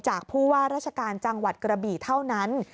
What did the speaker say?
ผู้ว่าราชการจังหวัดกระบี่เท่านั้น